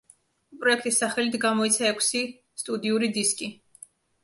პროექტის სახელით გამოიცა ექვსი სტუდიური დისკი.